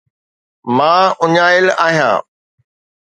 مان اڃايل آهيان